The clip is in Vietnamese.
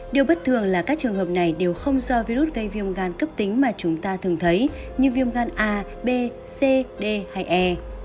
điều bất thường là các trường hợp này đều không do virus gây viêm gan cấp tính mà chúng ta thường thấy như viêm gan a b cd hay e